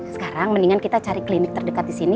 sekarang mendingan kita cari klinik terdekat di sini